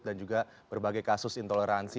dan juga berbagai kasus intoleransi